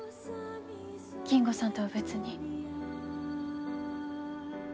金吾さんとは別に。